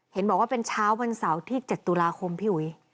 เห็นบอกว่าเป็นเช้าวันเสาร์ที่๗ตุลาคมพี่อุ๋ย